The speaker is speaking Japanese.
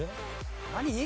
何？